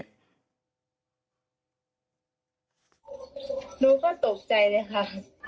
หนูก็ตกใจเลยค่ะ